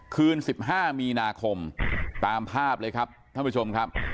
คืน๑๕มีนาคมตามภาพเลยครับท่านผู้ชมครับ